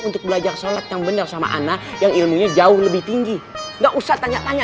untuk belajar sholat yang benar sama anak yang ilmunya jauh lebih tinggi enggak usah tanya tanya